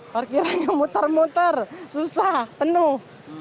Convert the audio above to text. parkirannya muter muter susah penuh